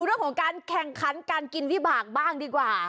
เรื่องของการแข่งขันการกินวิบากบ้างดีกว่า